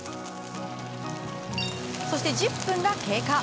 そして、１０分が経過。